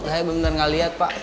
saya benar benar gak lihat pak